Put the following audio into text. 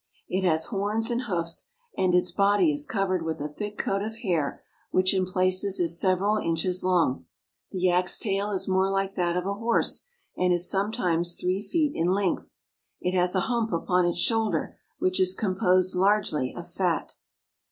It has horns and hoofs, and its body is covered with a thick coat of hair which in places is several inches long. The yak's tail is more like that of a horse, arid is sometimes three feet in length. It has a hump upon its shoulder, which is composed largely of fat.